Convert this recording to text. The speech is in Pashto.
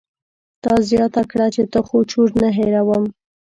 تا زياته کړه چې ته خو چور نه هېروم.